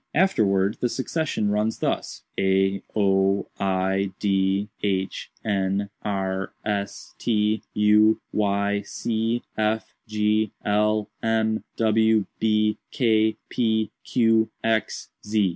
Afterwards, succession runs thus: a o i d h n r s t u y c f g l m w b k p q x z.